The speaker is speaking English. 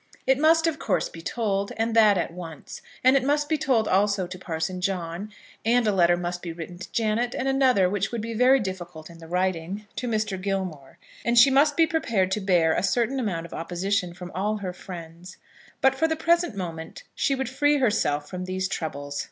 It must, of course, be told, and that at once; and it must be told also to Parson John; and a letter must be written to Janet; and another, which would be very difficult in the writing, to Mr. Gilmore; and she must be prepared to bear a certain amount of opposition from all her friends; but for the present moment, she would free herself from these troubles.